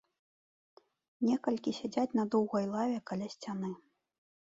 Некалькі сядзяць на доўгай лаве каля сцяны.